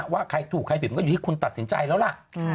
ว่าใครถูกใครผิดมันก็อยู่ที่คุณตัดสินใจแล้วล่ะ